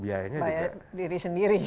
biaya diri sendiri